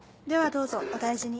どうぞお大事に。